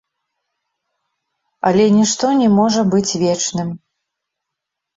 Але нішто не можа быць вечным.